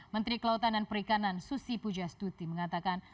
menteri kelautan dan perikanan susi pujastuti mengatakan